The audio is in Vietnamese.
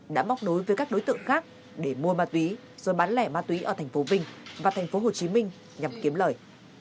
đã móc đối với các đối tượng khác để mua ma túy rồi bán lẻ ma túy ở tp vinh và tp hồ chí minh nhằm kiếm lợi